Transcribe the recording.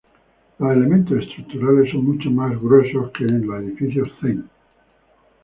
Los elementos estructurales son mucho más gruesa que en los edificios Zen.